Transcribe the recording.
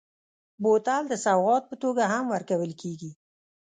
بوتل د سوغات په توګه هم ورکول کېږي.